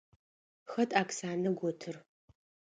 Хэт Оксанэ готыр?